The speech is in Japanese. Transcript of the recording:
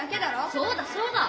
そうだそうだ！